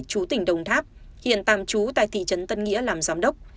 chú tỉnh đồng tháp hiện tạm trú tại thị trấn tân nghĩa làm giám đốc